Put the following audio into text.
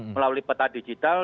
melalui peta digital